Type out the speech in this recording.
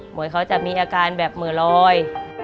เหมือนเขาจะมีอาการแบบเหมือลอย